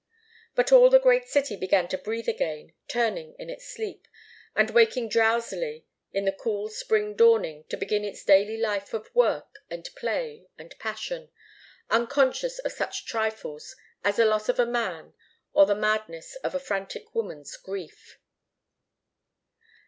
But all the great city began to breathe again, turning in its sleep, and waking drowsily in the cool spring dawning to begin its daily life of work and play and passion, unconscious of such trifles as the loss of a man, or the madness of a frantic woman's grief.